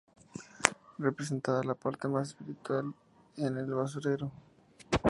Representa la parte más espiritual en el basurero.